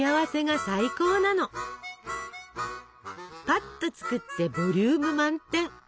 ぱっと作ってボリューム満点！